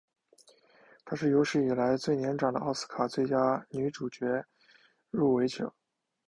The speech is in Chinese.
她是有史以来最年长的奥斯卡最佳女主角奖入围者。